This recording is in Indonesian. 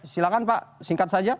silahkan pak singkat saja